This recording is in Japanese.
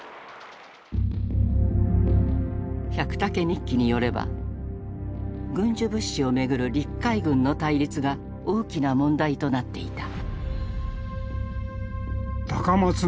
「百武日記」によれば軍需物資をめぐる陸海軍の対立が大きな問題となっていた。